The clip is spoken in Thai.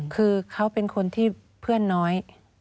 คือเขาเป็นคนที่เพื่อนน้อย